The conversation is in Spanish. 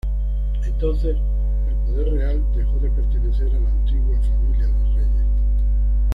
Entonces el poder real dejó de pertenecer a la antigua familia de reyes.